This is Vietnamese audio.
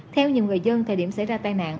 theo nhiều người dân thời điểm xảy ra tai nạn